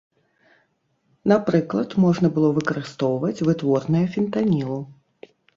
Напрыклад, можна было выкарыстоўваць вытворныя фентанілу.